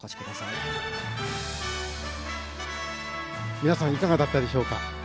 皆さんいかがだったでしょうか。